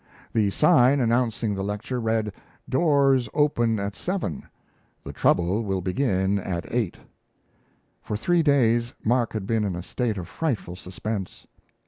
The sign announcing the lecture read "Doors open at 7. The Trouble will begin at 8." For three days, Mark had been in a state of frightful suspense.